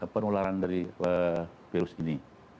penularan dari virus ini